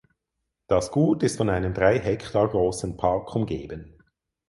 Das Gut ist von einem drei Hektar großen Park umgeben.